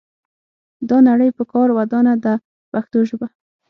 دا نړۍ په کار ودانه ده په پښتو ژبه.